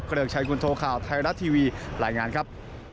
เกลือกใช้คุณโทรค่าไทยรัฐทีวีหลายงานครับ